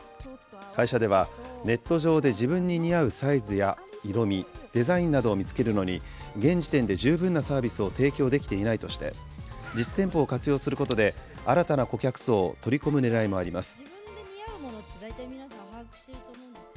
会社では、ネット上で自分に似合うサイズや色味、デザインなどを見つけるのに、現時点で十分なサービスを提供できていないとして、実店舗を活用することで、新たな顧客層を取り込むねらいもあります。